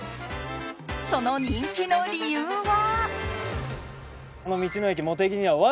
その人気の理由は。